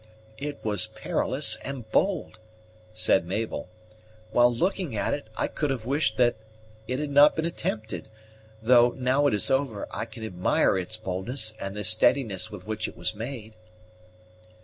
"It was perilous and bold," said Mabel; "while looking at it, I could have wished that it had not been attempted, though, now it is over, I can admire its boldness and the steadiness with which it was made."